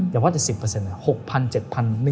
อย่าว่าจะ๑๐อะ๖๐๐๐๗๐๐๐๑๐๐๐๐ก็เป็นไปได้